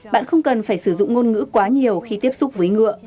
bạn không cần phải sử dụng ngôn ngữ quá nhiều khi tiếp xúc với ngựa